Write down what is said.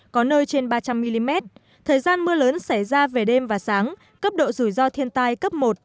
có nơi trên ba trăm linh mm thời gian mưa lớn xảy ra về đêm và sáng cấp độ rủi ro thiên tai cấp một